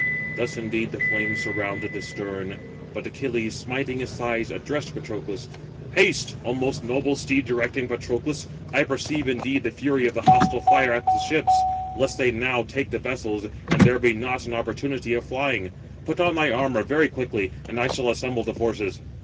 Thus indeed the flame surrounded the stern; but Achilles, smiting his thighs, addressed Patroclus: "Haste, O most noble steed directing Patroclus (I perceive, indeed, the fury of the hostile fire at the ships), lest they now take the vessels, and there be not an opportunity of flying; put on thy armour very quickly, and I shall assemble the forces."